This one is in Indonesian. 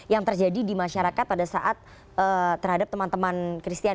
yang terjadi di masyarakat pada saat terhadap teman teman christian